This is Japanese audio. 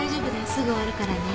すぐ終わるからね。